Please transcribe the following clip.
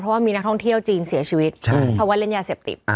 เพราะว่ามีนักท่องเที่ยวจีนเสียชีวิตเพราะว่าเล่นยาเสพติด